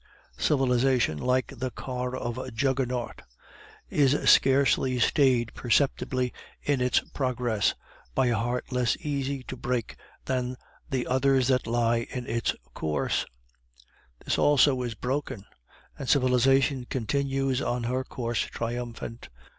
Civilization, like the car of Juggernaut, is scarcely stayed perceptibly in its progress by a heart less easy to break than the others that lie in its course; this also is broken, and Civilization continues on her course triumphant.